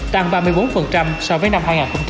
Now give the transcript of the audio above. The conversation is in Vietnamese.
tăng ba mươi bốn so với năm hai nghìn hai mươi